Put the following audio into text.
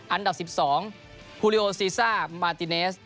อันดับสิบสองฮูลิโอซีสรามารติเนส